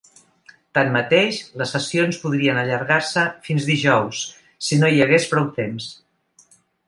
Tanmateix, les sessions podrien allargar-se fins dijous si no hi hagués prou temps.